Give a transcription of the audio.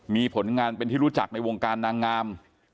มีผลงานเป็นที่รู้จักในวงการนางงาม